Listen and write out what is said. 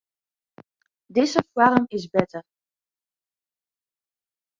Dizze foarm is better.